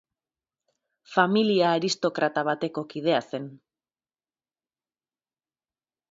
Familia aristokrata bateko kidea zen.